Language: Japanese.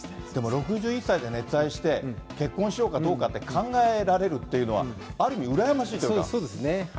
でも６１歳で熱愛して、結婚しようかどうかって考えられるっていうのは、ある意味羨ましいといそうですね。